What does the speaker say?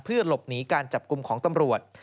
หลบหนีการจับกลุ่มของตำรวจ